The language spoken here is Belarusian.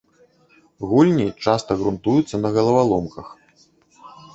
Гульні часта грунтуюцца на галаваломках.